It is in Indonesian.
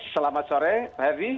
selamat sore pak heri